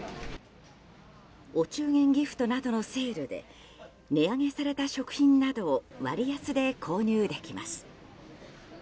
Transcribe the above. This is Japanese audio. お中元ギフトなどのセールで値上げされた食品などを割安で購入できます。